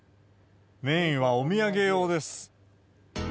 メインはお土産用です。